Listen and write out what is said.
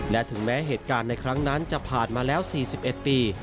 และถึงแม้เหตุการณ์ในครั้งนั้นจะผ่านมาแล้ว๔๑ปี